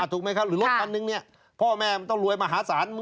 ถูกไหมครับหรือรถคันนึงเนี่ยพ่อแม่มันต้องรวยมหาศาล